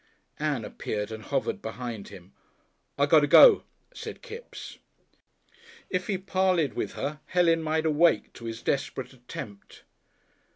Ann appeared and hovered behind him. "I got to go," said Kipps. If he parleyed with her Helen might awake to his desperate attempt.